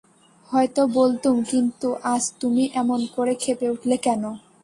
হয়তো বলতুম কিন্তু আজ তুমি এমন করে খেপে উঠলে কেন?